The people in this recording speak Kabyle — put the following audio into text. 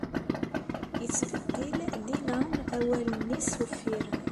Yettbeddil dima awalen-is uffiren.